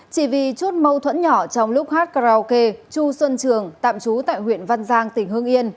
chỉ vì chút mâu thuẫn nhỏ trong lúc hát karaoke chu xuân trường tạm trú tại huyện văn giang tỉnh hương yên